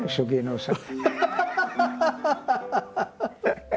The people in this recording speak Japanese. ハハハハ！